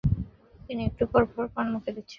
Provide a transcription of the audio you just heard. তিনি একটু পরপর পান মুখে দিচ্ছেন।